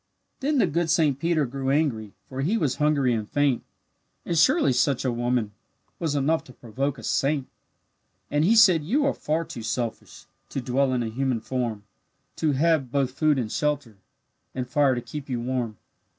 Then the good Saint Peter grew angry, For he was hungry and faint; And surely such a woman Was enough to provoke a saint. And he said, "You are far too selfish To dwell in a human form, To have both food and shelter, And fire to keep you warm.